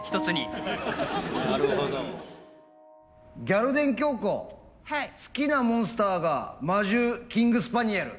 ギャル電きょうこ好きなモンスターが魔獣キングスパニエル。